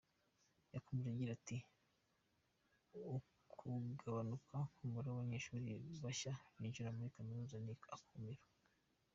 Yakomeje agira ati “Ukugabanuka k’umubare w’abanyeshuri bashya binjira muri kaminuza ni akumiro.